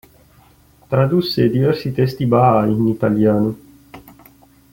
Tradusse diversi testi Bahai in italiano.